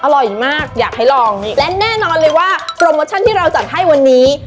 อร่อยมากอยากให้ลองนี่และแน่นอนเลยว่าโปรโมชั่นที่เราจัดให้วันนี้